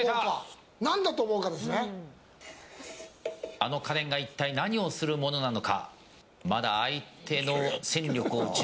あの家電が一体何をするものなのか。